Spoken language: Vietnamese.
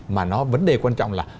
bốn mươi mà nó vấn đề quan trọng là